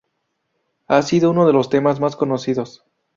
Ha sido uno de sus temas más conocidos.